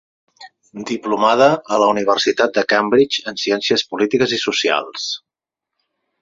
Diplomada a la Universitat de Cambridge en Ciències polítiques i socials.